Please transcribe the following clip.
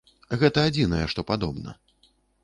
Гэта адзінае, што падобна.